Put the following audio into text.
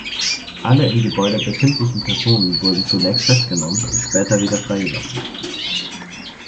Alle im Gebäude befindlichen Personen wurden zunächst festgenommen und später wieder freigelassen.